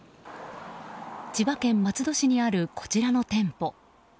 千葉県松戸市にあるこちらの店舗。